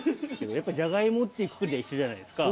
やっぱじゃがいもっていうくくりじゃ一緒じゃないですか。